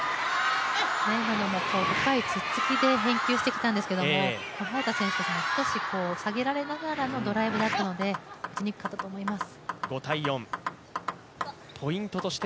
今のも深いツッツキで攻撃してきたんですけど、早田選手、少し下げられながらのドライブだったので打ちにくかったと思います。